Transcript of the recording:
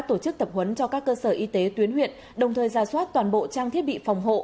tổ chức tập huấn cho các cơ sở y tế tuyến huyện đồng thời ra soát toàn bộ trang thiết bị phòng hộ